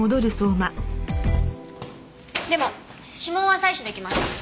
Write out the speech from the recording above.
でも指紋は採取出来ました。